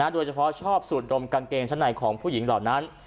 โดยเฉพาะชอบสูดดมกางเกงชั้นในของผู้หญิงเหล่านั้น